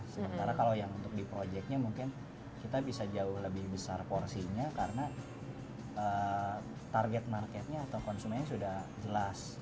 sementara kalau yang untuk di proyeknya mungkin kita bisa jauh lebih besar porsinya karena target marketnya atau konsumennya sudah jelas